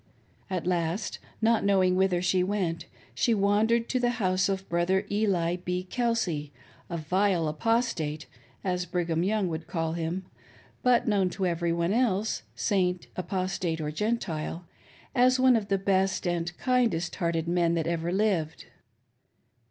At last, not know ' ing whither she went, she wandered to the house of Brother Eli B. Kelsey — a " vile apostate " as Brigham Young would call him ; but known to every one else. Saint, Apostate, or Gentile, as one of the best and kindest hearted men that ever lived.